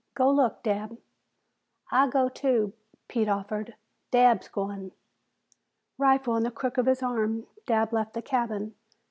"Go look, Dabb." "I'll gao, too," Pete offered. "Dabb's goin'." Rifle in the crook of his arm, Dabb left the cabin.